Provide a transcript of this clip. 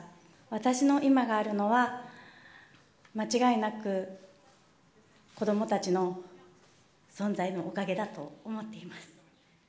私の今があるのは、間違いなく、子どもたちの存在のおかげだと思っています。